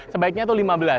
sebaiknya itu lima belas